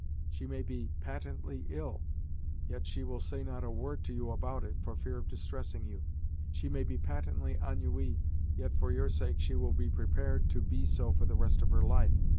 She may be patently ill, yet she will say not a word to you about it, for fear of distressing you. She may be patently ennuyee, yet for your sake she will be prepared to be so for the rest of her life.